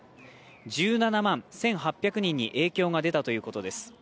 １７万１８００人に影響が出たということです。